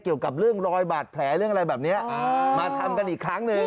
เกี่ยวกับเรื่องรอยบาดแผลเรื่องอะไรแบบนี้มาทำกันอีกครั้งหนึ่ง